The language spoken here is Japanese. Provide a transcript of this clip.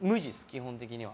基本的には。